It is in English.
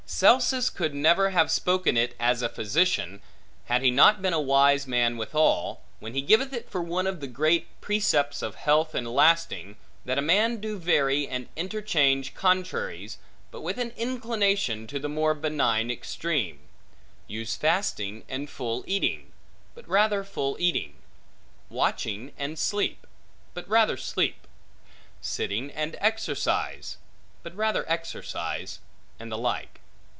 Celsus could never have spoken it as a physician, had he not been a wise man withal, when he giveth it for one of the great precepts of health and lasting, that a man do vary, and interchange contraries, but with an inclination to the more benign extreme: use fasting and full eating, but rather full eating; watching and sleep, but rather sleep; sitting and exercise, but rather exercise; and the like.